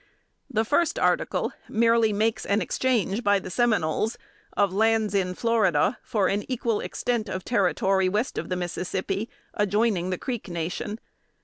The first article merely makes an exchange, by the Seminoles, of lands in Florida for an equal extent of territory, west of the Mississippi, adjoining the Creek Nation.